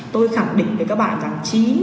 tôi khẳng định với các bạn rằng